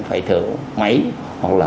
phải thở máy hoặc là